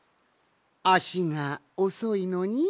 あしがおそいのに？